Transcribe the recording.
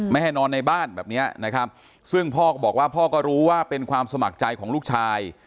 ให้นอนในบ้านแบบนี้นะครับซึ่งพ่อก็บอกว่าพ่อก็รู้ว่าเป็นความสมัครใจของลูกชาย